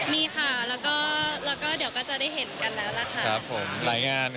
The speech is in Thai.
มีค่ะแล้วก็เดี๋ยวก็จะได้เห็นกันแล้วล่ะค่ะ